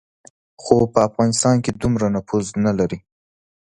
خو په افغانستان کې دومره نفوذ نه لري.